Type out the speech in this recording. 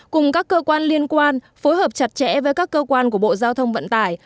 cùng các cơ quan liên quan phối hợp chặt chẽ với các cơ quan của bộ giao thông vận tải